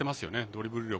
ドリブル力。